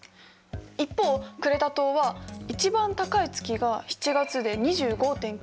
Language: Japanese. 一方クレタ島は一番高い月が７月で２５．９度。